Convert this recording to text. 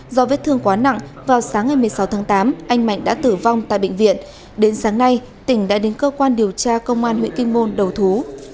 do vết thương quá nặng vào sáng ngày một mươi sáu tháng tám anh mạnh đã tử vong tại bệnh viện đến sáng nay tỉnh đã đến cơ quan điều tra công an huyện kim môn đầu thú